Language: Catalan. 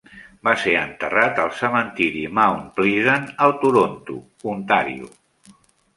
Va ser enterrat al cementiri Mount Pleasant a Toronto, Ontario.